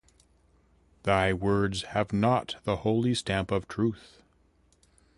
Thy words have not the holy stamp of truth.